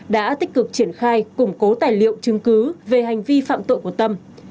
đã tích cực triển khai củng cố tài liệu chứng cứ về hành vi phạm tội của tâm